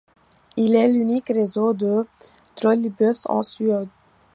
Il est l'unique réseau de trolleybus en Suède.